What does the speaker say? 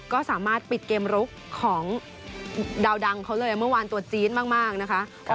ก็สามารถปิดเกมลุกของดาวดังเขาเลยเมื่อวานตัวจี๊ดมากนะคะ